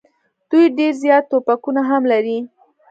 دوی ډېر زیات توپکونه هم لري.